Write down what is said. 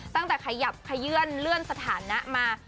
ขยับขยื่นเลื่อนสถานะมา